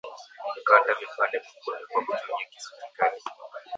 kata vipande vikubwa kwa kutumia kisu kikali